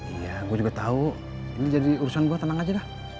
iya gue juga tahu ini jadi urusan gue tenang aja dah